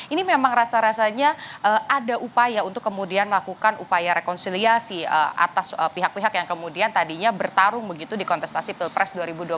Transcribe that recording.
ini memang rasa rasanya ada upaya untuk kemudian melakukan upaya rekonsiliasi atas pihak pihak yang kemudian tadinya bertarung begitu di kontestasi pilpres dua ribu dua puluh